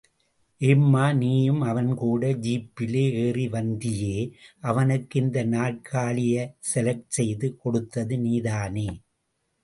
ஏம்மா நீயும்... அவன் கூட ஜீப்பில ஏறி வந்தியே... அவனுக்கு இந்த நாற்காலிய செலக்ட் செய்து கொடுத்தது நீதானே.